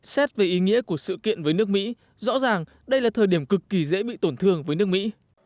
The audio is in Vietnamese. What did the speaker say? xét về ý nghĩa của sự kiện với nước mỹ rõ ràng đây là thời điểm cực kỳ dễ bị tổn thương với nước mỹ